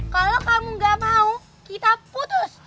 kalau kamu gak mau kita putus